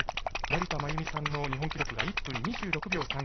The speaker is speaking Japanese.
成田真由美さんの日本記録が１分２６秒３９。